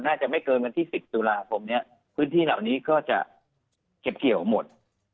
น่าจะไม่เกินกันที่ศูนราคมพื้นที่เหล่านี้ก็จะเขียบเกียวหมด